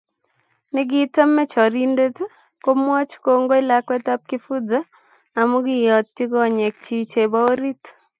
Nekitaame choranindet, komwoch kongoi lakwetab Kifuja amu kiyotyi konyekchi chebo orit